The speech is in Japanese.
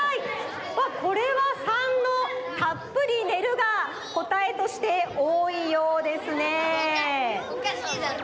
うわっこれは③の「たっぷり寝る」がこたえとしておおいようですね。